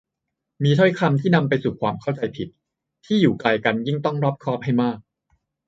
มีถ้อยคำที่นำไปสู่ความเข้าใจผิด ที่อยู่ไกลกันยิ่งต้องรอบคอบให้มาก